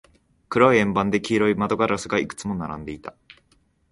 黒い円盤で、黄色い窓ガラスがいくつも並んでいた。